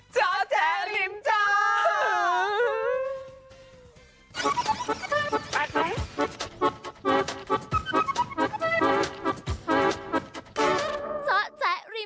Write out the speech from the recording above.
เจ้าแจริมเจอร์